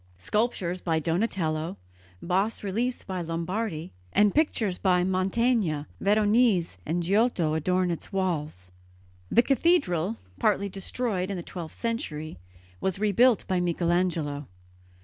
Sculptures by Donatello, bas reliefs by Lombardi and pictures by Mantegna, Veronese and Giotto adorn its walls. The cathedral, partly destroyed in the twelfth century, was rebuilt by Michelangelo.